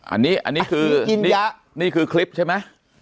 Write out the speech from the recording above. อันนี้อันนี้คือนี่คือคลิปใช่ไหม